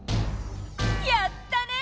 やったね！